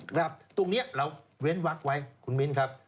ตรงนี้เราเว้นวักไว้คุณมิ้นครับ